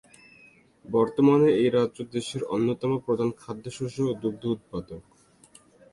বর্তমানে এই রাজ্য দেশের অন্যতম প্রধান খাদ্যশস্য ও দুগ্ধ উৎপাদক।